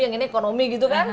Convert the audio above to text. yang ini ekonomi gitu kan